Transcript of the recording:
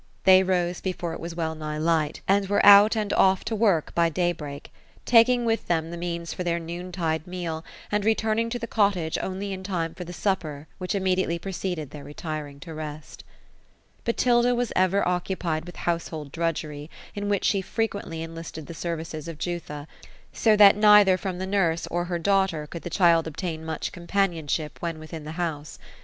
They rose before it was well nigh light, and were out and off THE ROSE OF ELSTNORE. 201 to work by day break ; taking with them the means for their noon tide meal, and returning to the cottage only in time for the supper, which immediately preceded their retiring to rest Botilda was ever occupied with household drudgery, in which she frequently enlisted the services of Jutha ; so that neither from the nurse or her daughter, could the child obtain much companionship, when within the house.